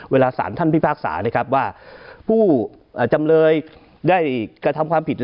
เวลาสารท่านพิพากษาว่าผู้จำเลยได้กระทำความผิด